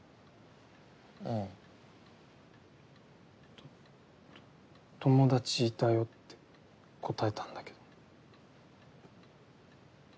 と友達だよって答えたんだけど。